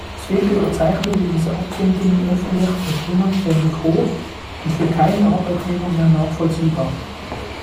Zwickel bezeichnete diese Abfindungen öffentlich als „unanständig hoch und für keinen Arbeitnehmer mehr nachvollziehbar“.